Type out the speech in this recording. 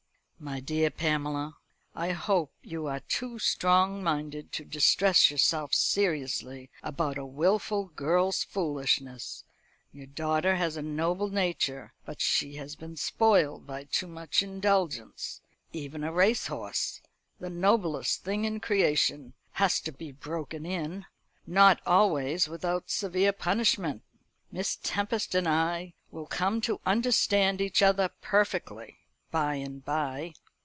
"My dear Pamela, I hope you are too strong minded to distress yourself seriously about a wilful girl's foolishness. Your daughter has a noble nature, but she has been spoiled by too much indulgence. Even a race horse the noblest thing in creation has to be broken in; not always without severe punishment. Miss Tempest and I will come to understand each other perfectly by and by."